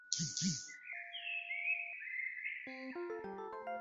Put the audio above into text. হরতাল-অবরোধের কড়া নিরাপত্তার মধ্যেও তোমাদের নৈপুণ্য ক্রিকেট মাঠে প্রদর্শন করতে পারলেই হলো।